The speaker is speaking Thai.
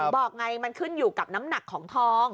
บอกไงมันขึ้นอยู่กับน้ำหนักของทอง